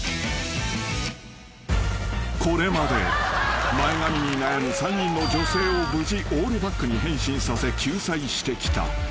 ［これまで前髪に悩む３人の女性を無事オールバックに変身させ救済してきた］